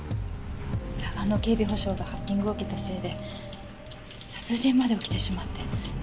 サガノ警備保障がハッキングを受けたせいで殺人まで起きてしまって。